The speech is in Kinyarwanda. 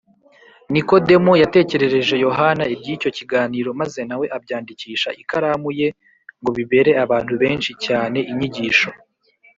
Nikodemo yatekerereje Yohana iby’icyo kiganiro, maze na we abyandikisha ikaramu ye ngo bibere abantu benshi cyane inyigisho.